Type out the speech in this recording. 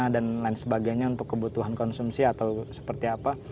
dan lain sebagainya untuk kebutuhan konsumsi atau seperti apa